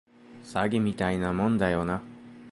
詐欺みたいなもんだよな